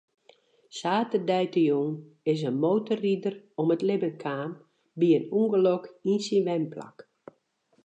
Saterdeitejûn is in motorrider om it libben kaam by in ûngelok yn syn wenplak.